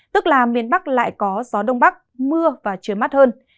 tức là miền bắc lại có gió đông bắc mưa và trời mát hơn